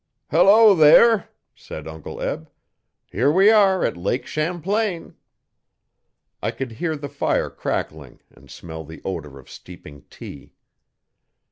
'Hello there!' said Uncle Eb; 'here we are at Lake Champlain.' I could hear the fire crackling and smell the odour of steeping tea.